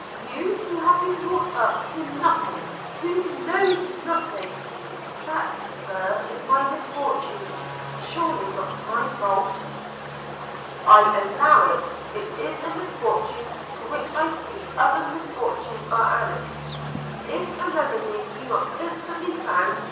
you who have been brought up to nothing, who knows nothing –' 'That, Sir, is my misfortune – surely not my fault.' 'I allow it. It is a misfortune to which I see other misfortunes are annexed, if a remedy be not instantly found.